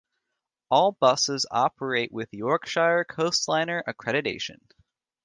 All buses operate with Yorkshire Coastliner accreditation.